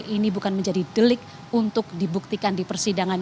ini bukan menjadi delik untuk dibuktikan di persidangan